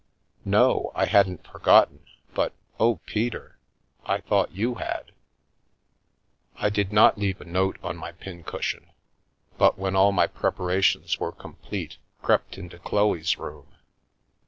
"" No — I hadn't forgotten — but, oh, Peter, I thought you had !" I did not leave a note on my pin cushion, but when all my preparations were complete, crept into Chloe's room.